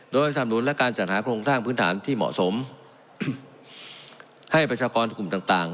โดยทรรมโดนและการจากโครงทางพื้นฐานที่เหมาะสมให้ประชากรกลุ่มต่าง